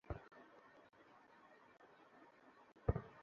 এই মামলাগুলোর নিষ্পত্তি হয়েছে।